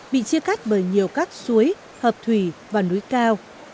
bị chia cắt bởi nhiều các suối hợp thủy và núi cao